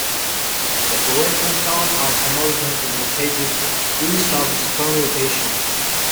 The original town of Hamilton is located east of its current location.